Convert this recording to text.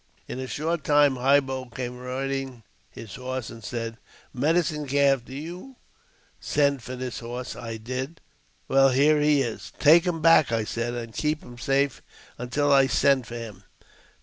In a short time High Bull came riding his horse, and said, *' Medicine Calf, did you send for this horse ?" I did." " Well, here he is." " Take him back," I said, " and keep him safe until I send for him."